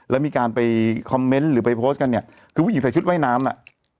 แล้วมีการไปคอมเมนต์หรือไปโพสต์กันเนี่ยคือผู้หญิงใส่ชุดว่ายน้ำอ่ะ